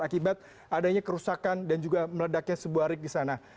akibat adanya kerusakan dan juga meledaknya sebuah rik di sana